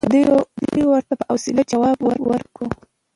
دی ورته په حوصله ځواب ورکوي.